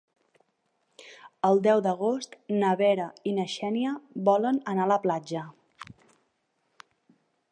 El deu d'agost na Vera i na Xènia volen anar a la platja.